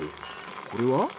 これは？